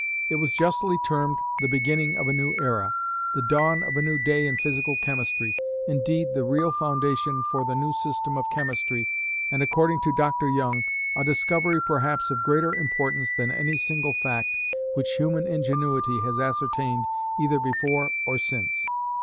It was justly termed the beginning of a new era, the dawn of a new day in physical chemistry, indeed the real foundation for the new system of chemistry, and, according to Dr. Young, "a discovery perhaps of greater importance than any single fact which human ingenuity has ascertained either before or since."